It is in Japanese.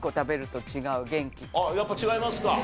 やっぱ違いますか？